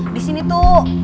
di sini tuh